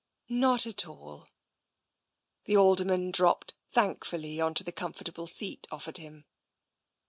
"" Not at all." The Alderman dropped thankfully on to the com fortable seat offered him.